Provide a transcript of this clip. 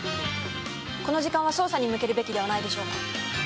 この時間は、捜査に向けるべきではないでしょうか。